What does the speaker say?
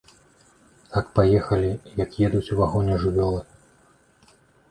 Так паехалі, як едуць у вагоне жывёлы.